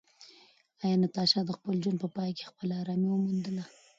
ایا ناتاشا د خپل ژوند په پای کې خپله ارامي وموندله؟